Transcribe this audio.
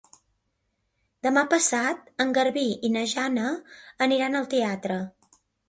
Demà passat en Garbí i na Jana aniran al teatre.